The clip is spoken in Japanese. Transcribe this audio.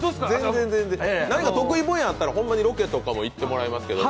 何か得意分野あったらほんまにロケとかも行ってもらいますけど。